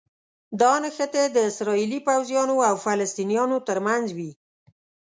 دا نښتې د اسراییلي پوځیانو او فلسطینیانو ترمنځ وي.